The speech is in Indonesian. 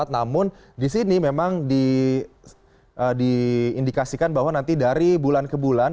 namun di sini memang diindikasikan bahwa nanti dari bulan ke bulan